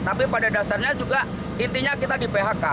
tapi pada dasarnya juga intinya kita di phk